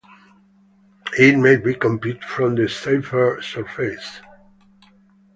It may be computed from the Seifert surface.